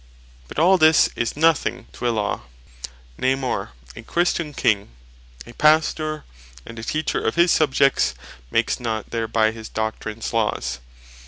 But all this is nothing to a Law. Nay more, a Christian King, as a Pastor, and Teacher of his Subjects, makes not thereby his Doctrines Laws.